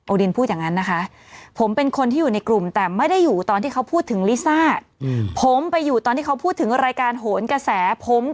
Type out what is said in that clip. โอดินพูดอย่างนั้นนะคะผมเป็นคนที่อยู่ในกลุ่ม